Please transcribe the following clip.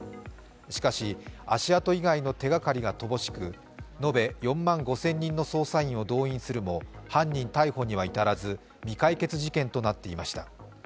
しかし、足跡以外の手がかりが乏しく延べ４万５０００人の捜査員を動員するも犯人逮捕には至らず未解決事件となっていました。